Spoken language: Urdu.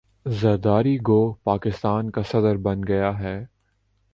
ذرداری گو پاکستان کا صدر بن گیا ہے